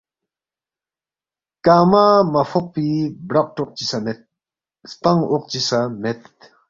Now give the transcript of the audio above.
کنگمہ مہ فوقفی برق ٹوق چی سہ مید، سپنگ اوق چی سہ مید،